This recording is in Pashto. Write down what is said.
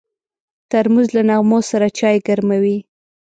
ترموز له نغمو سره چای ګرموي.